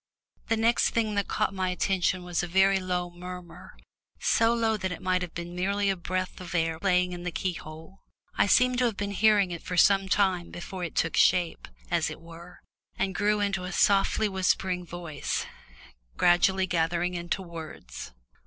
The first thing that caught my attention was a very low murmur so low that it might have been merely a breath of air playing in the keyhole; I seemed to have been hearing it for some time before it took shape, as it were, and grew into a softly whispering voice, gradually gathering into words.